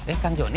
eh kang joni